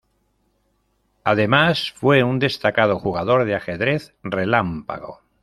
Además, fue un destacado jugador de ajedrez relámpago.